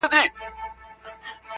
زه به درځم د توتکیو له سېلونو سره -